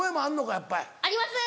やっぱり。あります！